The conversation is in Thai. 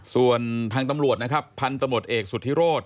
ส่วนทางตำรวจนะครับพันธมตเอกสุธิโรธ